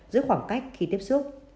giữa khoảng cách khi tiếp xúc